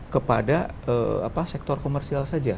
kepada sektor komersial saja